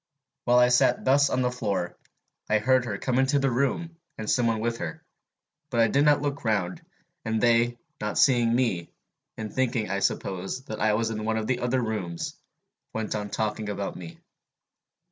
While I sat thus on the floor, I heard her come into the room, and some one with her; but I did not look round, and they, not seeing me, and thinking, I suppose, that I was in one of the other rooms, went on talking about me.